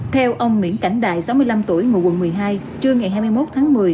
theo ông nguyễn cảnh đại sáu mươi năm tuổi ngụ quận một mươi hai trưa ngày hai mươi một tháng một mươi